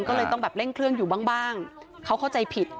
ก็เลยต้องแบบเร่งเครื่องอยู่บ้างเขาเข้าใจผิด